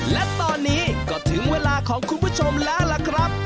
และตอนนี้ก็ถึงเวลาของคุณผู้ชมแล้วล่ะครับ